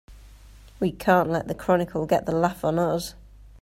We can't let the Chronicle get the laugh on us!